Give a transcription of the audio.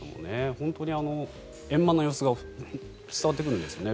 本当に円満な様子が伝わってくるんですよね。